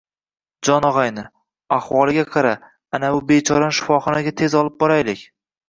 — Jon og’ayni, ahvoliga qara anavi bechorani shifoxonaga, tez olib boraylik.